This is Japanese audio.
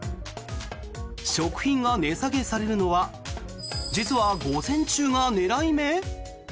食品が値下げされるのは実は午前中が狙い目？